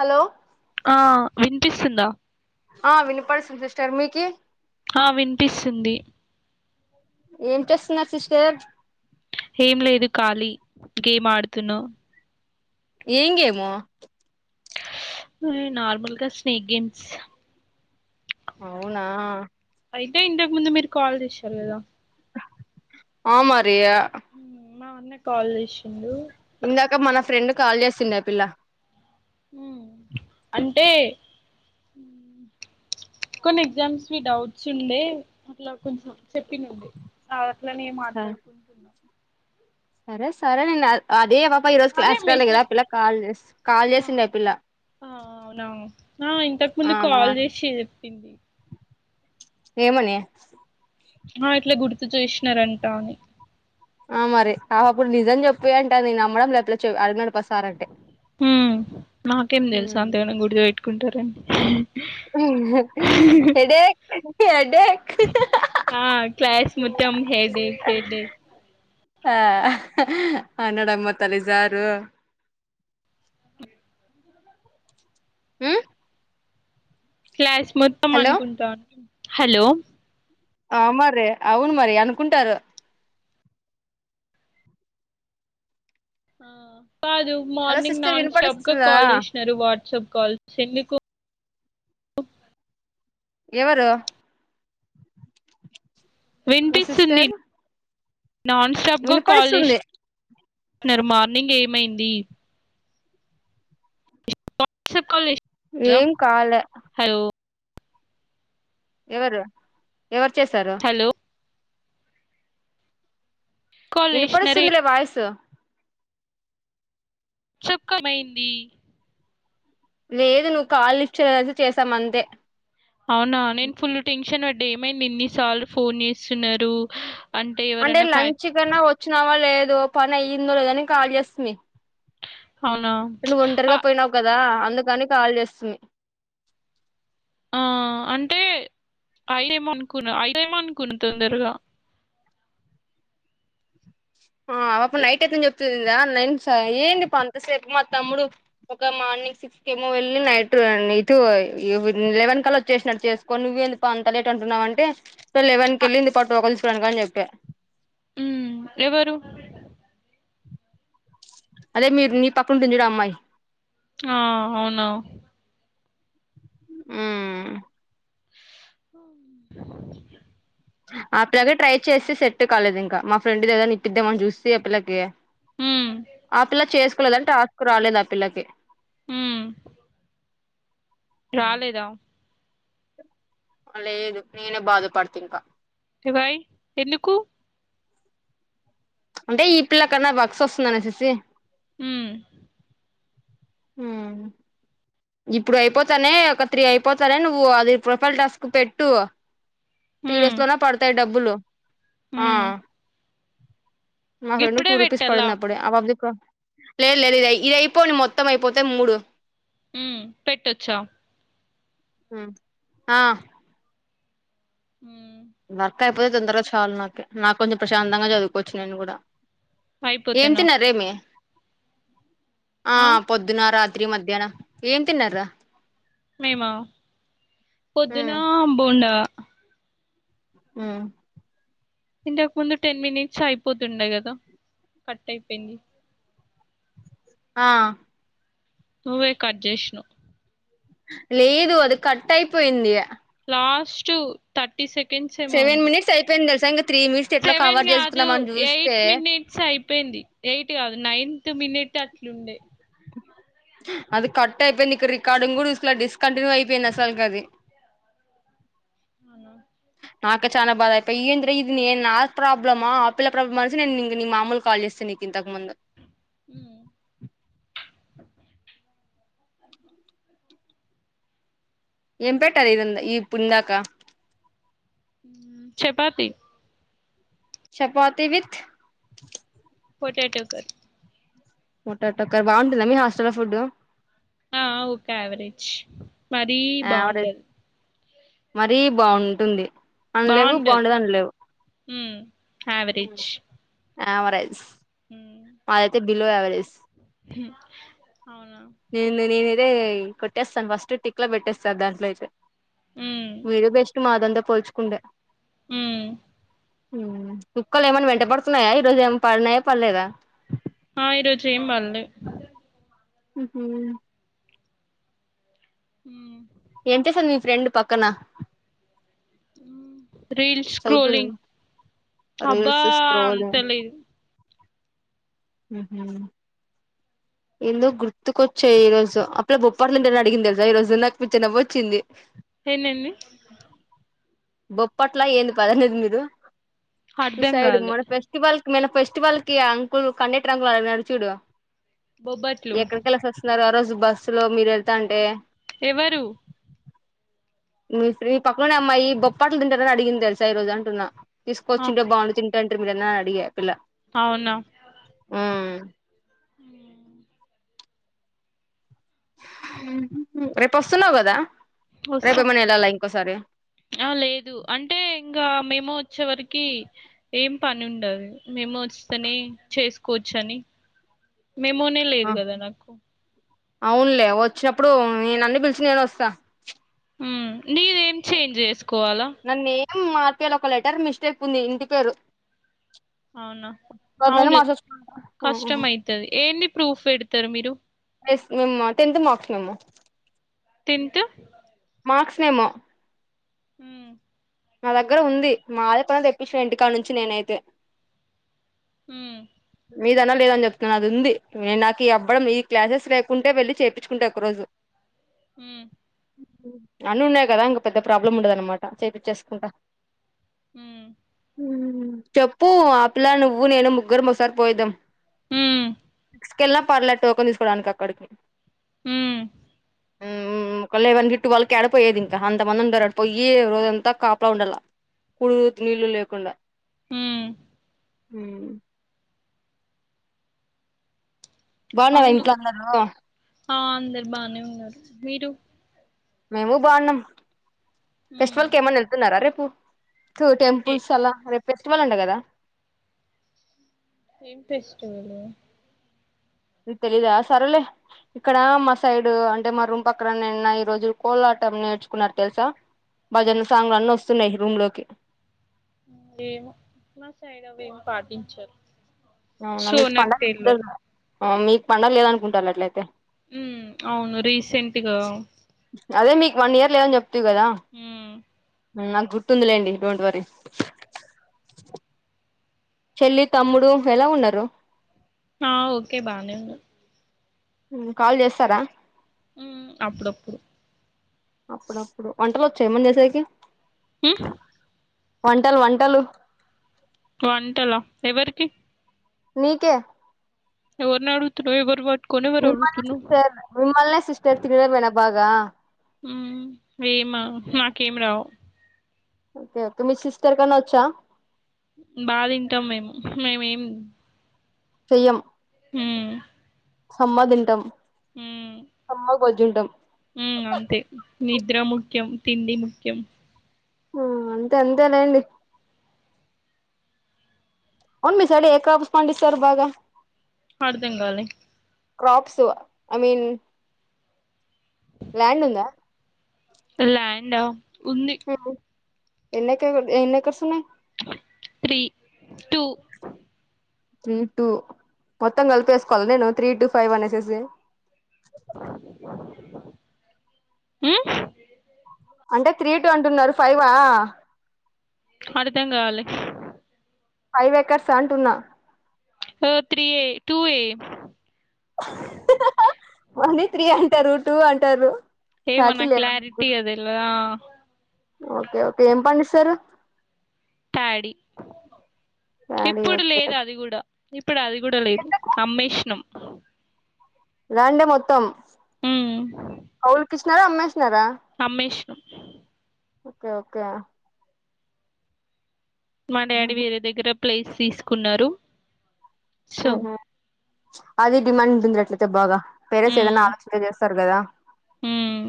Hello ఆ విన్పిస్తుందా ఆ వినిపడు [unintelligible] సిస్టర్ మీకీ ఆ వినిపిస్తుంది ఏం చేస్తున్నారు సిస్టర్ ఏం లేదు ఖాలీ గేమ్ ఆడుతున్నం ఏం గేమో ఎ నార్మల్గా స్నేక్ గేమ్స్ అవునా అయితే ఇంతకు ముందు మీరు కాల్ చేసారు కదా ఆ మ రియా మ్మ్, మా అన్న కాల్ చేసిండు ఇందాక మన ఫ్రెండ్ కాల్ చేసిండే పిల్ల అంటే కొన్ని ఎగ్జామ్స్ కి డౌట్స్ ఉండే అట్లా కొంచెం చెప్పిందండి అ అట్లనేే మాట్లాడుకుంటున్నాం సరే సరే నేన్ల అదే పాప ఈ రోజు అదే క్లాస్ కి రాలే కదా ఆ మెసేజ్ పిల్ల కాల్ చేసి కాల్ చేసిండే ఆ పిల్ల అవునా ఆ ఇంతకు ఆ ముందు అమ్మా కాల్ చేసి చెప్పింది ఏమని ఆ ఇట్లా గుర్తు చేసినరంటా అని ఆ మరి అ అప్పుడు నిజం చెప్పేయి అంటే నేను అమ్మడం లేపట్లా చె పా సార్ అంటే మ్మ్ మాకేం తెలుసు ఉమ్ అంతగనం గుర్తు పే కుంటారండి హెడేక్ హెడేక్ ఆ క్లాస్ మొత్తం హెడేక్ హెడేక్ ఆ ఆనడమ్మ తల్లి సారు మ్ క్లాస్ మొత్తం అనుకుంటారు హలో అ మరి అవును మరి అనుకుంటారు ఆ కాదు hello morning sister non stop గా వినపడిస్తుందా కాల్ చేసినారు వాట్సాప్ కాల్స్ ఎందుకు ఎవరు నువ్వు వినిపిస్తుంది సిస్టర్ నాన్ స్టాప్గా కాల్ చేసి వినపడిస్తుంది నర్ మార్నింగ్ ఏమైంది వాట్సాప్ కాల్ చేసినారా ఏం కాలే హలో ఎవరు ఎవరు చేశారు హలో కాల్ చేసినారు వినపడిస్తుందిలే వాయిసు చుక్కమైంది లేదు నువ్వు కాల్ లిఫ్ట్ చేయలే అయితే చేసాం అంతే అవునా నేను ఫుల్ టెన్షన్ పె ఏమైంది ఇన్ని సార్లు ఫోన్ చేస్తున్నారు అంటే ఎవరైనా ఫ్యా లంచ్ కన్నా వచ్చినావా లే దా పనీ అయ్యిందో లేదో అని కాల్ చేస్తిమి అవునా? నువ్వు అ ఒంటరిగా పోయినావు కదా అందుకని కాల్ చేస్తుంది ఆ అంటే ఐదేమో అనుకున్న ఐదేమో అనుకున్న తొందరగా ఆ అవప్పు నైట్ అయితేం చెప్తుంది నేన్స్ ఆ ఏంది పా అంతసేపు మా తమ్ముడు ఒక మార్నింగ్ సిక్స్ కేమో వెళ్ళి నైట్ నీ తు లెవెన్ కళ్ళ వచ్చేసినాడు చేసుకోని నువ్వు ఏంది పా అంత లేట్ అంటున్నావ్ అంటే ఇ లెవెన్ అ కెళ్ళింది పా టోకెన్లు తీసుకురావడానికి అని చెప్పా ఉమ్ ఎవరు అదే మీరు నీ పక్కన ఉంటుంది చూడు ఆ అమ్మాయి ఆ అవును ఉమ్ [inaudible] అ పిల్లకే ట్రై చేసి సెట్ కాలేదు ఇంకా మా ఫ్రెండ్ దగ్గరన్న ఇప్పిద్దామని చూస్తే ఆ పిల్లకి హ్మ్. ఆ పిల్లా చేసు లదంటే టాస్కు రాలేదు ఆ పిల్లకి ఉమ్ రాలేదా ఆ లేదు నేనే బాధ పడుతా ఇంకా రివైవ్ ఎందుకు అంటే ఈ పిల్ల కన్నా బక్స్ వస్తుందనేసేసి ఉమ్ ఉమ్ ఇప్పుడు అయిపోతానే ఒక త్రీ అయిపోతానే నువ్వు అది ప్రొఫైల్ టాస్క్ పెట్టు త్రీ హ్మ్. డేస్ లోనే పడతాయి డబ్బు డబ్బులు ఆ హ్మ్. మా ఫ్రెండ్ ను ఇప్పుడే టూ రూపీస్ పెట్టాలా? పడింది అప్పుడే లేదు లేదు ఇద ఇది అయిపోనీ మొత్తం అయిపోతే మూడు హ్మ్ పెట్టొచ్చా ఆ హ్మ్. [inaudible] అక్క అయిపోతే తొందరగా చాలు నాక నాకు కొంచెం ప్రశాంతంగా చదువుకోవచ్చు నేను కూడా ఏం అయిపోతేనా? తిన్నారేమి ఆ పొద్దున్న రా రాత్రి మధ్యాహ్నం ఏం తిన్నార మేమా పొద్దున బోండా మ్మ్ ఇంటక ముందు టెన్ మినిట్స్ అయిపోతుండ కదా కట్ అయిపోయింది ఆ నువ్వే కట్ చేష్ణవ్ లేదు అది కట్ అయిపోయింది లాస్టు తట్ సెకండ్స్ ఏమో సెవెన్ ఉండే మినిట్స్ అయిపోయింది తెలుసా ఇంకా త్రీ మినిట్స్ ఎట్లా సెవెన్ కవర్ కాదు చేసుకుందాం అని చూస్తే ఎయిట్ మినిట్స్ అయిపోయింది ఎయిట్ కాదు నైన్త్ మినిట్ అట్లుండే అది కట్ అయిపోయింది ఇకు రికార్డుంగ్ కూడా ఇసలా డిస్కంటిన్యూ అయిపోయింది అసల్కది అవునా నాకే చానా బాధ అయిపోయి ఏంది ఇది నేను నా ప్రాబ్లమ్మా ఆ పిల్ల ప్రాబ్లమ్ అనేసి నేనుంక నీ మామూలు కాల్ చేస్తాను నీకు ఇంతకు ముందు మ్మ్. ఏం పెట్టారు ఇ ఈ పు ఇందాక chapati chapati with potato curry పొటాటోకర్ బాగుంటుందా మీ హాస్టలో ఫుడ్డు ఆ ఓకే అవెరేజ్ మరీ యావరేజ్ బాగుండదు మరీ బాగుంటుంది అనలేవు బాగుండదు అనలేవు మ్మ్ ఆవరేజ్ ఆవరేజ్ మాదైతే బిలో ఎవరెజ్ అే నెంతినేది అదే కొట్టేస్తాను ఫస్ట్ టిక్లో పెట్టేస్తా దాంట్లో అయితే ఉమ్ మీరు బెస్ట్ మాదంత పోల్చుకుండే మ్మ్ కుక్కలు ఏమన్నా వెంట పడుతున్నాయా ఈ రోజు ఏమన్నా పడినాయా పళ్లేదా ఆ ఈ రోజు ఏం పల్లె హు హుమ్ ఉమ్ ఎంత సంది మీ ఫ్రెండ్ పక్కన రీల్స్ చదువుతుంది స్క్రోలింగ్ అబ్బా రీల్స్ స్క్రోల్ అంత లేదు ఉహు ఎందోగుర్తుకొచ్చాయి ఈ రోజు అప్పుడ బొప్పార్ నుంటే అడిగింది తెల్సా ఈ రోజు నాకు పిచ్చ నవ్వొచ్చింది. ఏంద్ ఏంది బొప్పట్లా ఏంది పదనేదె లేదు అర్ధం సైడ్ కాలే మన ఫెస్టివల్ ఏమైన ఫెస్టివల్ కి అంకులు కన్నేటి రంగు అయినాడు చూడు బొబ్బట్లు ఎక్కడ కెల్లేసిసి వస్తున్నారు ఆ రోజు బస్సు లో మీరు వెళ్తాంటే ఎవరు మీ ఫ్రె మీ పక్కననే అమ్మాయి బొప్పాట్లు తింటారని అడిగింది తెలుసా ఈ రోజు అంటున్నా ఆ తీసుకొచ్చి ఉంటే బాగుండు తింటాంట్రీ ఇందన అడిగ [inaudible] అలా ఉమ్ ఉమ్ రేపు వస్తున్నవు కదా రేపు వస్తాం ఏమైనా వెళ్ళాలా ఇంకోసారి ఆ లేదు అంటే ఇంకా మేమోవచ్చే వరకి ఏం పని ఉండదు మేము వస్తేనే చేసుకోవచ్చు అని మేమోనే లేదు కదా నాకు అవునులే వచ్చినప్పుడు నేను అన్ని పిలిచి నేను వస్తా ఉమ్ నీరేం చేంజ్ చేసుకోవాలా మార్కలు ఒక లెటర్ మిస్టేక్ ఉంది ఇంటి పేరు అవునా దాని మీద అవును మార్చచ్చు కష్టమ అవుతుంది ఏంది ప్రూఫ్ పెడతారు మీరు మేమ్మ టెన్త్ మార్క్స్ మేమో తింటు మార్క్స్ మెమో హుమ్ మా దగ్గర ఉంది మాది కొని తెప్పించ ఇంటికాడ నుంచి నేనైతే ఉమ్ మీదైనా లేదని చెప్తున్నాను. అది ఉంది నేను నాకు ఈ అబ్బడం ఈ క్లాసెస్ లేకుంటే వెళ్ళి చేయించుకుంట ఒకరోజు ఉమ్ అన్నీ ఉన్నాయి కదా ఇంక పెద్ద ప్రాబ్లం ఉండదన్నమాట చేపిచ్చేసుకుంటా ఉమ్ ఉమ్ చెప్పు ఆ పిల్లా నువ్వు నేను ముగ్గురు మస్ సరి పోయిదం ఉమ్ స్కెలా పర్లే టోకన్ తీసుకోడానికక్కడికి. హ్మ్ ఉమ్ ఉమ్ ఉమ్, కలేవన్ గ ఇట్టు వాళ్ళకి యాడపోయేది ఇంకా అంతమంది ఉండారడ పోయి రోజంతా కాపలా ఉండాల, కూడు నీళ్ళు లేకుండా. హ్మ్ హుమ్ బాగున్నారా అవును, ఇంట్లో అందరూ ఆ అందరు బానే ఉన్నరు. మీరు మేమూ బాగున్నాం ఉమ్, ఫెస్టివల్ కేమన్నేళ్తున్నారా రేప్? పు స్ ఏ టెంపుల్స్ అలా రెప్ ఫెస్టివల్ అంట గదా? ఏం ఫెస్టివలు? తెలీదా సరలే, ఇక్కడ మా సైడ్ అంటే మా రూమ్ పక్కన నిన్న ఈ రోజు కోలాటం నేర్చుకున్నారు తెలుసా? భజన సాంగు అన్నోస్తున్నాయి రూమ్ లోకి. ఏమో, మా సైడవ్వేం పాటించరు. అవునా సో మీక్ నాకు తెల్వదు పండగిప్పుడేనా? ఆ మీకు పండగ లేదనుకుంటాలే అట్లయితే. ఉమ్ అవును రీసెంట్గ అదే మీకు వన్ ఇయర్ లేదని చెప్ హ్మ్ ఉమ్ నాకు గుర్తుందిలేండి డోంట్ వరీ, చెల్లి తమ్ముడు ఎలా ఉన్నరు? ఆ ఓకే బానే ఉన్నర్ కాల్ చేస్తరా? ఉమ్ అప్పుడుప్పుడు అప్పుడప్పుడు వంటలు వచ్చా ఏమన చేసేకి? హ్మ్ వంటలు వంటలు వంటలా ఎవరికి? నీకే ఎవర్నడుగుతున్నవ్? ఎవర్ పట్ మిమ్మల్నే సిస్టర్ మిమ్మల్నే సిస్టర్, తినడమేనా? బాగా ఉమ్, ఏమా నాకేం రావు. ఓకే ఓకె, మి సిస్టర్ కన్నా వచ్చా? బా తింటాం మేము, మేమేం చెయ్యం హ్మ్ సమ్మగ్ తింటాం హ్మ్ బజుంటం ఉమ్ అంతే, నిద్ర ముఖ్యం తిండి ముఖ్యం. ఆ అంతే అంతే లేండి. అవున్ మీ సైడ్ ఏ క్రాప్స్ పండిస్తరు బాగా? అర్ధం కాలే కప్స్ ఐ మీన్ ల్యాండ్ ఉందా ల్యాండ్ ఉంది ఎన్ని [unintelligible] ఎన్ని ఎకర్స్ ఉన్నాయి త్రీ టూ త్రీ టూ మొత్తం కలిపేసుకోవాల నేను త్రీ టూ ఫైవ్ అనేసేసి ఉ అంటే త్రీ టు అంటున్నారు ఫైవ్ వా అర్ధం కాలే ఫైవ్ ఏకర్స్ ఆ అంటున్నా ఓ త్రీ ఏ టూ ఏ ఓన్లీ త్రీ అంటారు టూ అంటారు ఛార్జీ ఏమనా లేదా మీకు క్లారిటీ కూడా అదలా ఓకే ఓకే ఏం పండిస్తారు ప్యాడీ ప్యాడీ ఇప్పుడు ఓకే లేదు అది కూడా ఇప్పుడు అది కూడా లేదు ఎంతకు అమ్మేష్ినం రంే మొత్తం ఉమ్ కవులు కి ఇస్తు స అ అమ్మేసినం ఓకే ఓకే మా డాడి ఉహు వేరే దగ్గర ప్లేస్ తీసుకున్నారు సో ఊహ్మ్ అది డిమాండ్ డున్డిరే అయితే బాగా పేరెంట్స్ ఏదన్నా ఆలోచిచే చేస్ తరు గదా ఊమ్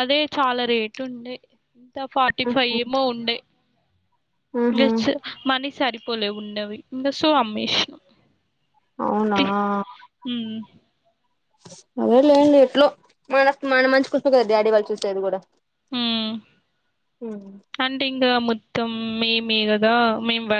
అదే చాలా రేట్ [unintelligible] ఎంత ఫార్టీ ఫైవ్ ఉహు ఏమో ఉండే ఉహు గెచ్ మనీ సరి పోలే ఉన్నవి ఇంగ సో ఆమెసీనం అవునా అదే లేండి ఎట్లో మన మన మంచి కోసమే కదా డాడీ వాళ్ళు చూసేది కూడా ఊమ్ ఉహు అంటే ఇంగ మో త్తం మేమే కదా మేం బర